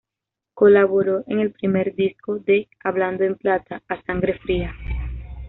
Colaboró en el primer disco de Hablando en plata, "A sangre fría".